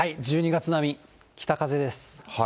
１２月並み、北風です。